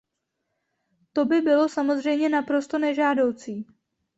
To by bylo samozřejmě naprosto nežádoucí.